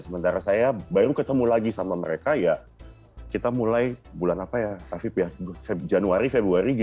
sementara saya baru ketemu lagi sama mereka ya kita mulai bulan apa ya hafib ya januari februari